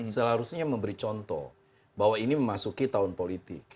seharusnya memberi contoh bahwa ini memasuki tahun politik